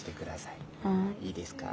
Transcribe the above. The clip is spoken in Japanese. いいですか？